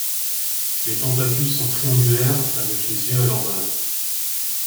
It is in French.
Les tentacules sont triangulaires avec les yeux à leur base.